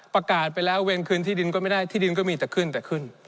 ประกาศไปแล้วเวรคืนที่ดินก็ไม่ได้ที่ดินก็มีแต่ขึ้นแต่ขึ้น